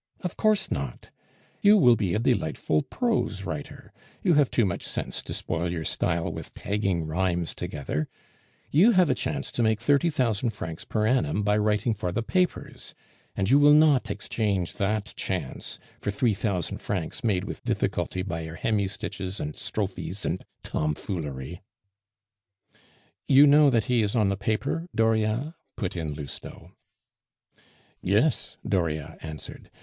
Of course not. You will be a delightful prose writer; you have too much sense to spoil your style with tagging rhymes together. You have a chance to make thirty thousand francs per annum by writing for the papers, and you will not exchange that chance for three thousand francs made with difficulty by your hemistiches and strophes and tomfoolery " "You know that he is on the paper, Dauriat?" put in Lousteau. "Yes," Dauriat answered.